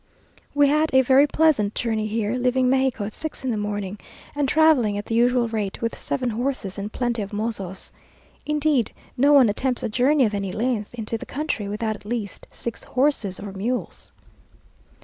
We had a very pleasant journey here, leaving Mexico at six in the morning, and travelling at the usual rate, with seven horses and plenty of mozos. Indeed, no one attempts a journey of any length into the country, without at least six horses or mules.